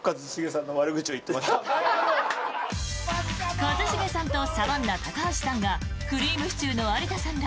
一茂さんとサバンナ、高橋さんがくりぃむしちゅーの有田さんら